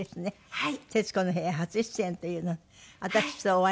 はい。